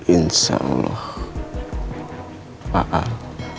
insya allah pak ar